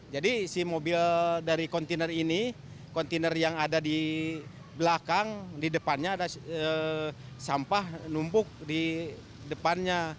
jadi si mobil dari kontiner ini kontiner yang ada di belakang di depannya ada sampah numpuk di depannya